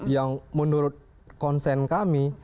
yang menurut konsen kami